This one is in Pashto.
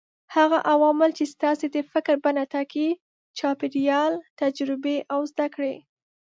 هغه عوامل چې ستاسې د فکر بڼه ټاکي: چاپېريال، تجربې او زده کړې.